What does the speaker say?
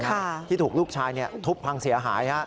ที่ถูกลูกชายทุบพังเสียหาย